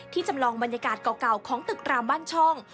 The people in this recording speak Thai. จำลองบรรยากาศเก่าของตึกรามบ้านช่อง